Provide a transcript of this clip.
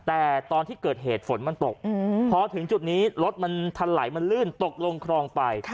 แต่ตอนที่เกิดเหตุฝนมันตกพอถึงจุดนี้รถมันทันไหลมันลื่นตกลงคลองไป